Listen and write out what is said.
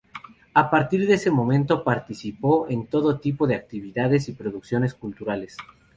A partir de ese momento participó en todo tipo de actividades y producciones culturales.